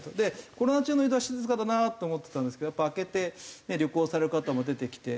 コロナ中の移動は静かだなと思ってたんですけどやっぱ明けて旅行される方も出てきて。